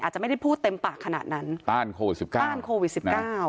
อาจจะไม่ได้พูดเต็มปากขนาดนั้นต้านโควิด๑๙